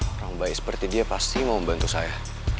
orang bayi seperti dia pasti mau membantu saya